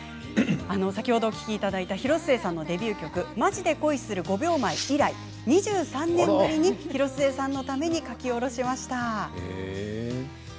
先ほどの広末さんのデビュー曲「ＭａｊｉでＫｏｉする５秒前」以来、２３年ぶりに広末さんのために書き下ろしました。